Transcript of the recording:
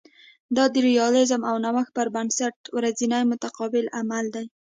دا د ریالیزم او نوښت پر بنسټ ورځنی متقابل عمل دی